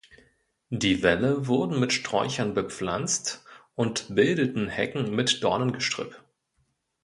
Die Wälle wurden mit Sträuchern bepflanzt und bildeten Hecken mit Dornengestrüpp.